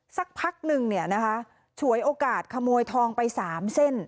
สักพักนึงเนี่ยนะคะฉวยโอกาสขโมยทองไป๓เส้น